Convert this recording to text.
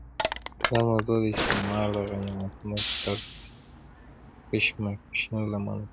دا موضوع د استعمار د غنیمتونو پر سر کشمکشونو له امله پېښه شي.